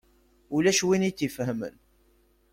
Ulac win i tt-ifehmen.